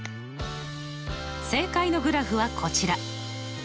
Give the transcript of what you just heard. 正解のグラフはこちら。